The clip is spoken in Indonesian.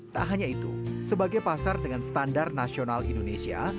tak hanya itu sebagai pasar dengan standar nasional indonesia